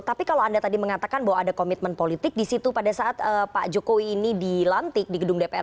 tapi kalau anda tadi mengatakan bahwa ada komitmen politik di situ pada saat pak jokowi ini dilantik di gedung dpr